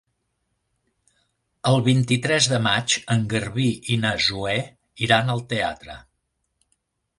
El vint-i-tres de maig en Garbí i na Zoè iran al teatre.